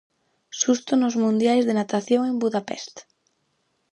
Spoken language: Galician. Susto nos mundiais de natación en Budapest.